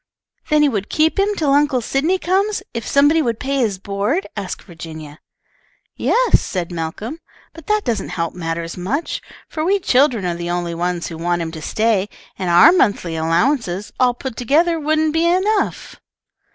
"Then he would keep him till Uncle Sydney comes, if somebody would pay his board?" asked Virginia. "Yes," said Malcolm, "but that doesn't help matters much, for we children are the only ones who want him to stay, and our monthly allowances, all put together, wouldn't be enough."